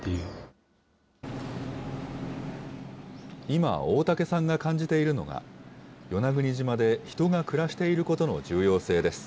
今、大嵩さんが感じているのが、与那国島で人が暮らしていることの重要性です。